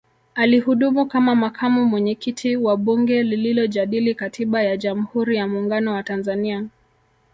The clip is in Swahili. Alihudumu kama Makamu Mwenyekiti wa Bunge lililojadili Katiba ya Jamhuri ya Muungano wa Tanzania